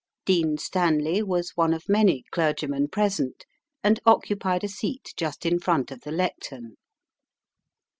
Dean Stanley was one of many clergymen present, and occupied a seat just in front of the lectern.